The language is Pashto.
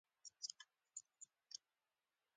د اوبو، انرژۍ او منابعو سم استعمال د ښار پرمختګ چټکوي.